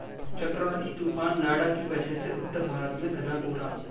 चक्रवाती तूफान नाडा की वजह से उत्तर भारत में घना कोहरा